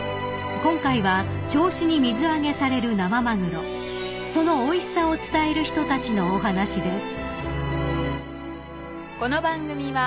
［今回は銚子に水揚げされる生マグロそのおいしさを伝える人たちのお話です］